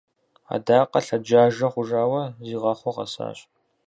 Адакъэ лъэджажэ хъужауэ, зигъэхъуу къэсащ!